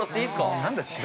◆何だ？